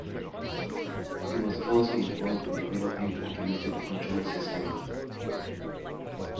He was also involved in developing automated control systems.